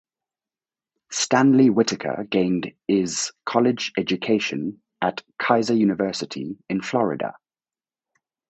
Stanley Whittaker gained is College education at Keiser University in Florida.